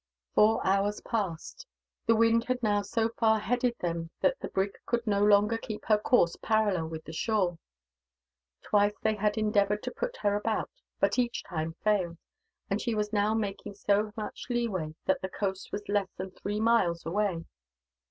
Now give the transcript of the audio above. Four hours passed. The wind had now so far headed them that the brig could no longer keep her course parallel with the shore. Twice they had endeavoured to put her about, but each time failed; and she was now making so much leeway that the coast was less than three miles away.